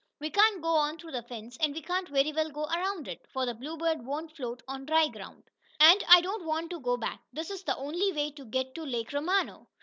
We can't go on through the fence, and we can't very well go around it, for the Bluebird won't float on dry ground. And I don't want to go back. This is the only way to get to Lake Romano."